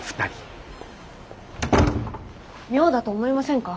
妙だと思いませんか？